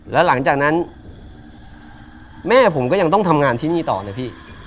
แล้วหลังจากนั้นแม่ผมก็ยังต้องทำงานที่นี่ต่อนะพี่